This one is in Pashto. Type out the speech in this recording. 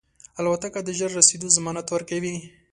الوتکه د ژر رسېدو ضمانت ورکوي.